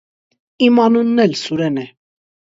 Իմ անունն էլ Սուրեն է: